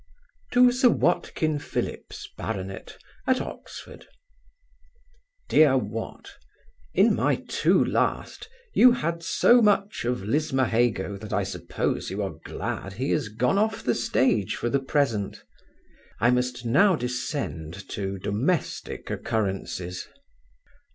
To Sir WATKIN PHILLIPS, Bart. at Oxon. DEAR WAT, In my two last you had so much of Lismahago, that I suppose you are glad he is gone off the stage for the present. I must now descend to domestic occurrences.